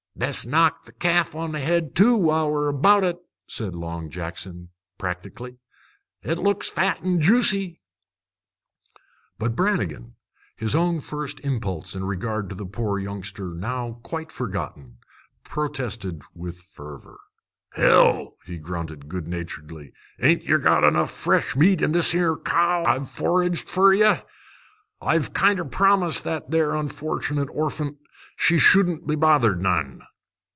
"Best knock the ca'f on the head, too, while we're about it," said Long Jackson practically. "It looks fat an' juicy." But Brannigan, his own first impulse in regard to the poor youngster now quite forgotten, protested with fervor. "Hell!" he grunted, good naturedly. "Ain't yer got enough fresh meat in this 'ere cow I've foraged fer ye? I've kinder promised that there unfortunate orphant she shouldn't be bothered none."